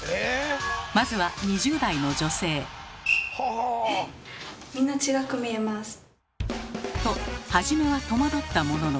まずは２０代の女性。と初めは戸惑ったものの。